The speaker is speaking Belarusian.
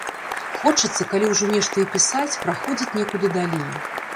Хочацца, калі ўжо нешта і пісаць, праходзіць некуды далей.